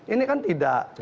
ini kan tidak